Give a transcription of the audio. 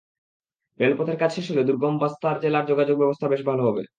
রেলপথের কাজ শেষ হলে দুর্গম বাস্তার জেলার যোগাযোগ ব্যবস্থা বেশ ভালো হবে।